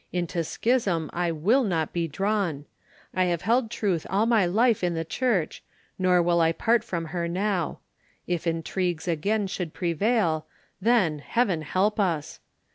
Into schism I will not be drawn. I have held truth all my life in the Church, nor will I part from her now. If intrigues again should prevail, then, Heaven help us!